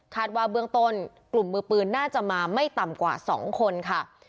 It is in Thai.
ว่าเบื้องต้นกลุ่มมือปืนน่าจะมาไม่ต่ำกว่า๒คนค่ะ